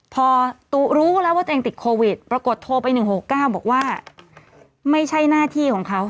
พอรู้แล้วว่าตัวเองติดโควิดปรากฏโทรไป๑๖๙บอกว่าไม่ใช่หน้าที่ของเขา